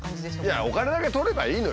いやお金だけ取ればいいのよね。